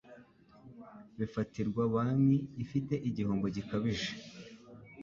bifatirwa banki ifite igihombo gikabije